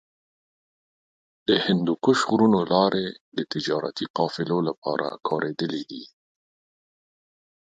د هندوکش غرونو لارې د تجارتي قافلو لپاره کارېدلې دي.